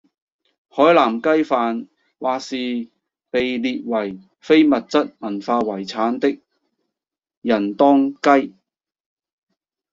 海南雞飯或是被列為非物質文化遺產的仁當雞